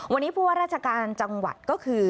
วันนี้ผู้ว่าราชการจังหวัดก็คือ